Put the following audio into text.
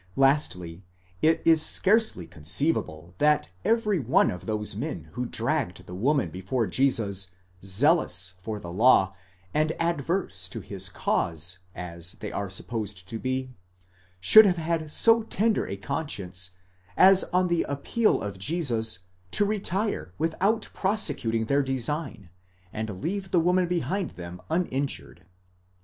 Lastly, it is scarcely conceivable that every one of those men who dragged the woman before Jesus, zealous for the law, and adverse to his cause as they are supposed to be, should have had so tender a conscience, as on the appeal of Jesus to retire without prosecuting their design, and leave the woman behind them uninjured; this rather 1 Ap.